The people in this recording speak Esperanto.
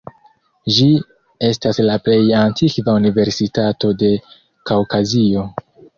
Ĝi estas la plej antikva universitato de Kaŭkazio.